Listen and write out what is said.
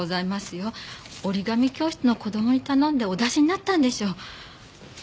折り紙教室の子供に頼んでお出しになったんでしょう。